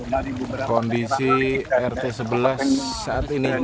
dari beberapa kondisi rt sebelas saat ini